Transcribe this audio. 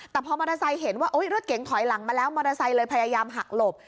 แต่พอมอเตอร์ไซค์เห็นว่ารถเก๋งถอยหลังมาแล้วมอเตอร์ไซค์เลยพยายามหักหลบ